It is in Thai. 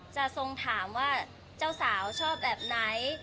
ทรงถามว่าเจ้าสาวชอบแบบไหน